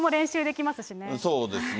そうですね。